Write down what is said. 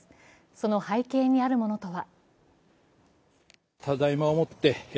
その背景にあるものとは？